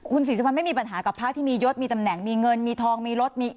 คุณศรีสุวรรณไม่มีปัญหากับพระที่มียศมีตำแหน่งมีเงินมีทองมีรถมี